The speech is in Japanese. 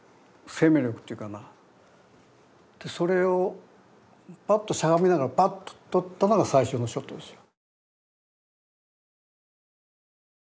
でそれをパッとしゃがみながらバッと撮ったのが最初のショットですよ。